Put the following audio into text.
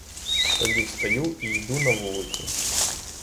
Тоді встаю і йду на вулицю.